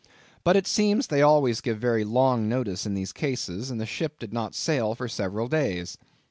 But it seems they always give very long notice in these cases, and the ship did not sail for several days.